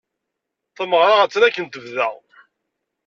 Tameɣra attan akken tebda.